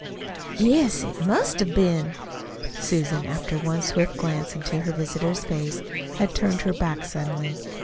"Yes, it must have been." Susan, after one swift glance into her visitor's face, had turned her back suddenly.